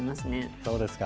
そうですか。